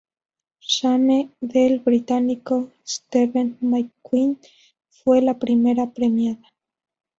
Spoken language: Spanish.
Shame, del británico Steve McQueen, fue la primera premiada.